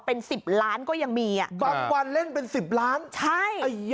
เป็นสิบล้านก็ยังมีอ่ะบางวันเล่นเป็นสิบล้านใช่ไอ้